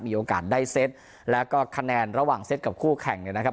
มีโอกาสได้เซตแล้วก็คะแนนระหว่างเซตกับคู่แข่งเนี่ยนะครับ